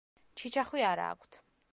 ჩიჩახვი არა აქვთ.